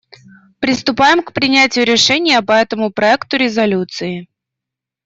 Приступаем к принятию решения по этому проекту резолюции.